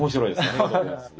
ありがとうございます。